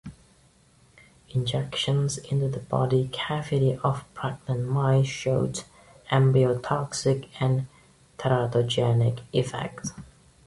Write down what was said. Injections into the body cavity of pregnant mice showed embryotoxic and teratogenic effects.